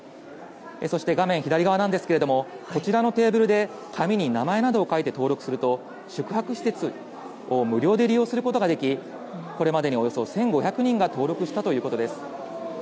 そして画面左側ですがこちらのテーブルで紙に名前などを書いて登録すると宿泊施設を無料で利用することができこれまでにおよそ１５００人が登録したということです。